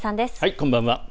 こんばんは。